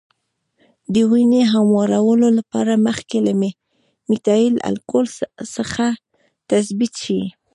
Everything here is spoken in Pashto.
د وینې هموارولو لپاره مخکې له میتایل الکولو څخه تثبیت شي.